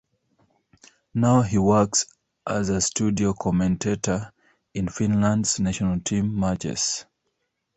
Now he works as a studio commentator in Finland's national team matches.